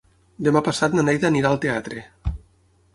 Demà passat na Neida anirà al teatre.